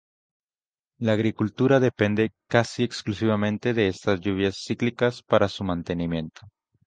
La agricultura depende casi exclusivamente de estas lluvias cíclicas para su mantenimiento.